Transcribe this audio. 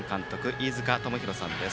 飯塚智広さんです。